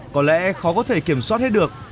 có lẽ khó có thể kiểm soát hết được